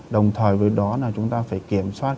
đồng thời với đó là chúng ta phải kiểm soát